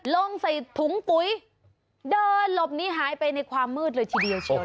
ลงใส่ถุงปุ๋ยเดินหลบนี้หายไปในความมืดเลยทีเดียวเชียว